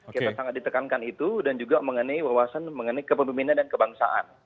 kita sangat ditekankan itu dan juga mengenai wawasan mengenai kepemimpinan dan kebangsaan